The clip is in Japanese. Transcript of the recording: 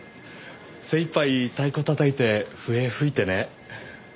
精いっぱい太鼓たたいて笛吹いてね。